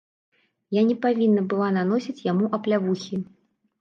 Я не павінна была наносіць яму аплявухі.